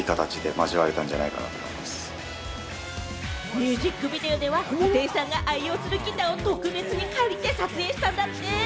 ミュージックビデオでは布袋さんが愛用するギターを特別に借りて撮影したんだって。